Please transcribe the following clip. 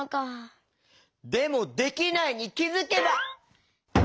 でも「できないに気づけば」？